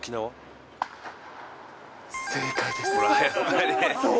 正解です。